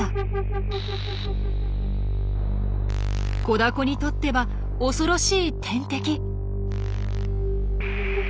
子ダコにとっては恐ろしい天敵。